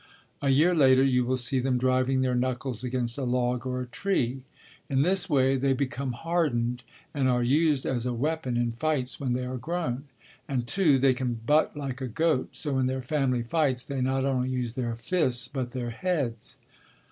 A year later you will see them driving their knuckles against a log or a tree. In this way they become hardened and are used as a weapon in fights when they are grown. And, too, they can butt like a goat, so in their family fights they not only use their fists but their heads.